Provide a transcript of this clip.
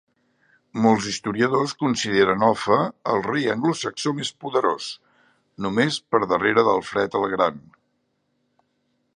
Molts historiadors consideren Offa el rei anglosaxó més poderós, només per darrere d'Alfred el Gran.